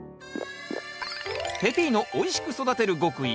ペピーノおいしく育てる極意